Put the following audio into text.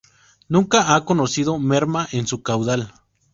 Nunca ha conocido merma en su caudal.